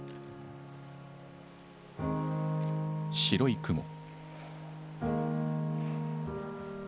「白い雲」。